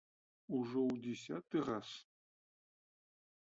Ужо ў дзясяты раз.